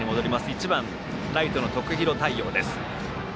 １番、ライトの徳弘太陽です。